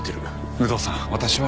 有働さん私は。